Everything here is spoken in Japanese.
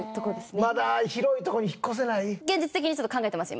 まだ広いとこに引っ越せない？